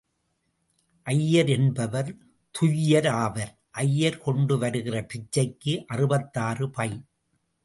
ஐயர் என்பவர் துய்யர் ஆவர். ஐயர் கொண்டு வருகிற பிச்சைக்கு அறுபத்தாறு பை.